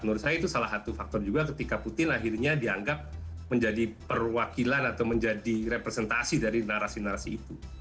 menurut saya itu salah satu faktor juga ketika putin akhirnya dianggap menjadi perwakilan atau menjadi representasi dari narasi narasi itu